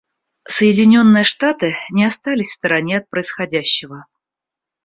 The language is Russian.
Соединенные Штаты не остались в стороне от происходящего.